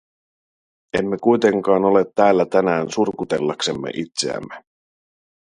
Emme kuitenkaan ole täällä tänään surkutellaksemme itseämme.